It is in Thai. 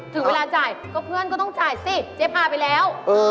ถึงเวลาจ่ายก็เพื่อนก็ต้องจ่ายสิเจ๊พาไปแล้ว